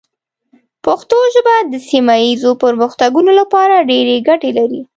پښتو ژبه د سیمه ایزو پرمختګونو لپاره ډېرې ګټې لري.